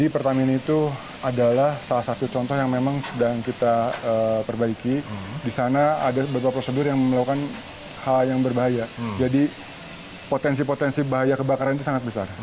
potensi potensi bahaya kebakaran itu sangat besar